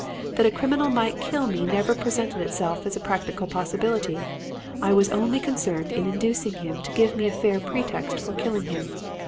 That a criminal might kill me never presented itself as a practical possibility. I was only concerned in inducing him to give me a fair pretext for killing him.